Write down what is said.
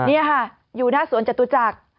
นี่ค่ะอยู่หน้าสวนจตุจักร